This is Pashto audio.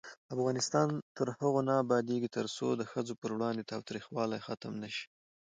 افغانستان تر هغو نه ابادیږي، ترڅو د ښځو پر وړاندې تاوتریخوالی ختم نشي.